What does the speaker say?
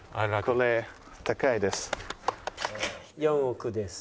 「４億です」。